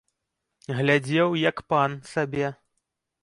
Глядзеў, як пан, сабе.